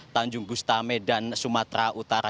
tanjung gustame dan sumatera utara